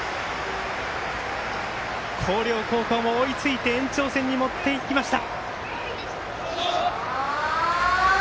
広陵高校も追いついて延長戦に持っていきました。